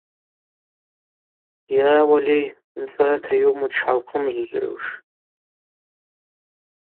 Йара, уальай, нцӏрата йуыму дшгӏаухъымыжвжвгӏуш.